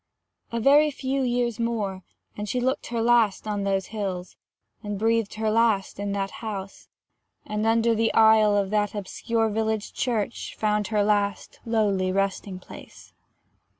A very few years more, and she looked her last on those hills, and breathed her last in that house, and under the aisle of that obscure village church found her last lowly resting place.